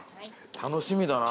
楽しみだな。